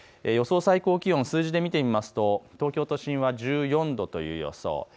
予想最高気温、数字で見てみますと東京都心は１４度という予想。